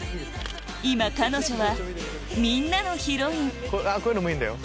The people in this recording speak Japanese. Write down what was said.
今彼女はみんなのヒロインこういうのもいいんだよ。